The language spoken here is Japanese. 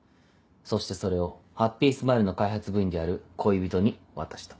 そしてそれをハッピースマイルの開発部員である恋人に渡した。